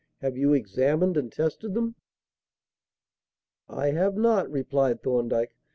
Have you examined and tested them?" "I have not," replied Thorndyke.